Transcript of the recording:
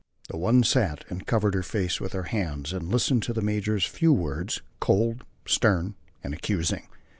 The one sat and covered her face with her hands as she listened to the major's few words, cold, stern and accusing.